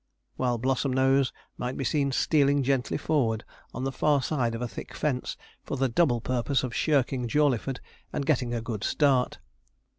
while Blossomnose might be seen stealing gently forward, on the far side of a thick fence, for the double purpose of shirking Jawleyford and getting a good start.